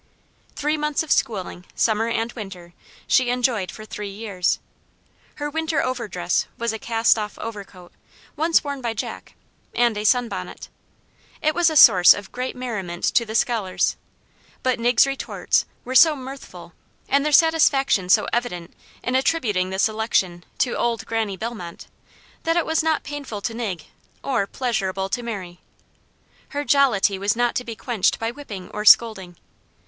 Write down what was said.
Three months of schooling, summer and winter, she enjoyed for three years. Her winter over dress was a cast off overcoat, once worn by Jack, and a sun bonnet. It was a source of great merriment to the scholars, but Nig's retorts were so mirthful, and their satisfaction so evident in attributing the selection to "Old Granny Bellmont," that it was not painful to Nig or pleasurable to Mary. Her jollity was not to be quenched by whipping or scolding.